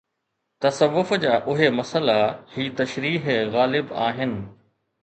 تصوف جا اهي مسئلا، هي تشريح غالب آهن